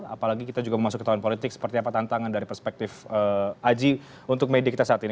apalagi kita juga memasuki tahun politik seperti apa tantangan dari perspektif aji untuk media kita saat ini